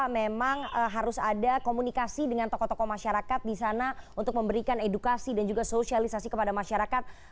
memang harus ada komunikasi dengan tokoh tokoh masyarakat di sana untuk memberikan edukasi dan juga sosialisasi kepada masyarakat